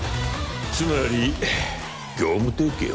つまり業務提携を？